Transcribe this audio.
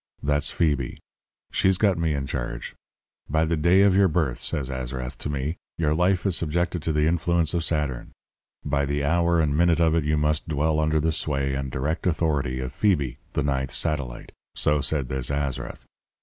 That's Phoebe. She's got me in charge. "By the day of your birth," says Azrath to me, "your life is subjected to the influence of Saturn. By the hour and minute of it you must dwell under the sway and direct authority of Phoebe, the ninth satellite." So said this Azrath.'